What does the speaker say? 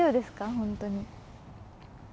本当に。